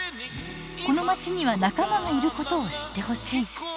このまちには仲間がいることを知ってほしい。